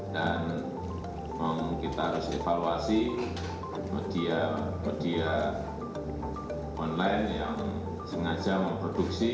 kita harus evaluasi media online yang sengaja memproduksi